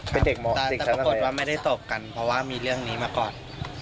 ปลอดภัณฑ์ไม่ได้ตกกันเพราะว่ามีเรื่องนี้มาก่อน